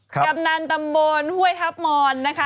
กำนันตำบลห้วยทัพมอนนะคะ